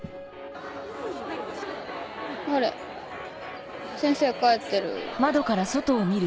あれ先生帰ってる。